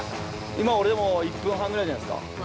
◆今１分半ぐらいじゃないですか。